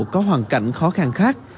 có hoàn cảnh khó khăn khác